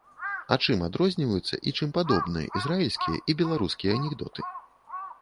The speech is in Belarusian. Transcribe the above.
А чым адрозніваюцца і чым падобныя ізраільскія і беларускія анекдоты?